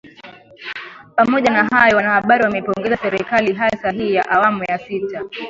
Pamoja na hayo wanahabari wameipongeza serikali hasa hii ya awamu ya sita